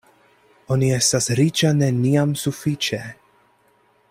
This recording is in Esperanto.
Oni estas riĉa neniam sufiĉe.